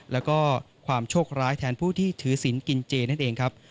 แล้วก็ความโชคร้ายแทนผู้ที่ถือศิลป์กินเจนั่นเองครับ